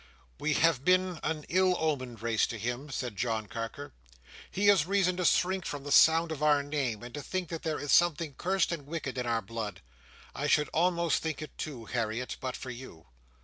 "We have been an ill omened race to him," said John Carker. "He has reason to shrink from the sound of our name, and to think that there is something cursed and wicked in our blood. I should almost think it too, Harriet, but for you."